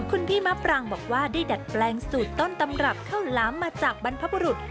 คุณพี่มะปรางบอกว่าได้ดัดแปลงสูตรต้นตำรับข้าวหลามมาจากบรรพบุรุษ